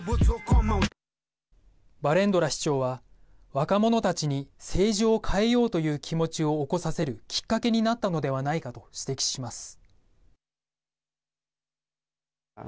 バレンドラ市長は若者たちに政治を変えようという気持ちを起こさせるきっかけになったのではないかと指摘します。